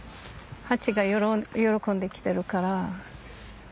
ハチが喜んで来てるから。